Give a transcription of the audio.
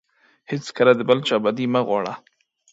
هیڅکله د بل چا بدي مه غواړه.